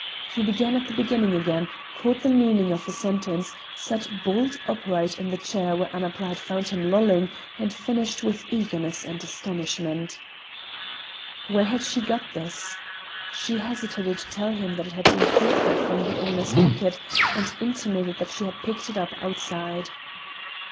He began at the beginning again, caught the meaning of a sentence, sat bolt upright in the chair where Annapla had found him lolling, and finished with eagerness and astonishment. Where had she got this? She hesitated to tell him that it had been pilfered from the owner's pocket, and intimated that she had picked it up outside.